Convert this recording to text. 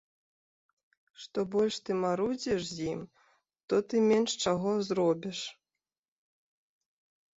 Што больш ты марудзіш з ім, то ты менш чаго зробіш.